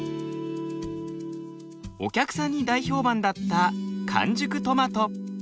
お客さんに大評判だった完熟トマト。